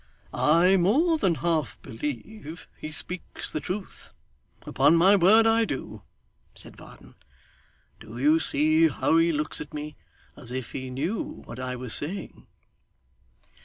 'I more than half believe he speaks the truth. Upon my word I do,' said Varden. 'Do you see how he looks at me, as if he knew what I was saying?